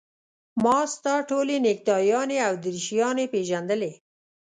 ما ستا ټولې نکټایانې او دریشیانې پېژندلې.